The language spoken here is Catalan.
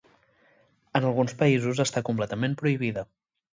En alguns països està completament prohibida.